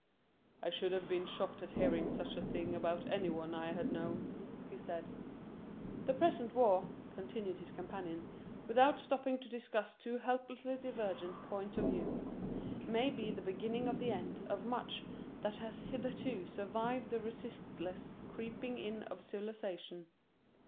"I should have been shocked at hearing such a thing about any one I had known," he said. "The present war," continued his companion, without stopping to discuss two hopelessly divergent points of view, "may be the beginning of the end of much that has hitherto survived the resistless creeping in of civilisation.